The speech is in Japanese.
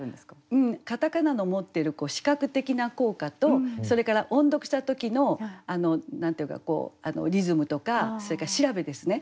うん片仮名の持っている視覚的な効果とそれから音読した時の何て言うかこうリズムとかそれから調べですね